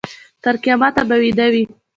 تر قیامته به ویده وي.